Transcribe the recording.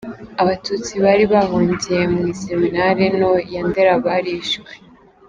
Abatutsi bari bahungiye mu iseminari nto ya Ndera barishwe.